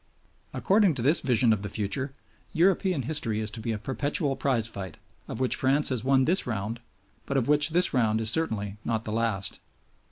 According to this vision of the future, European history is to be a perpetual prize fight, of which France has won this round, but of which this round is certainly not the last.